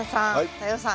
太陽さん